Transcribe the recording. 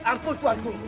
ampun tuan ku